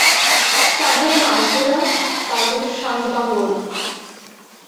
সান্থানাম আসবে না তার কোনো সাঙ্গপাঙ্গও না।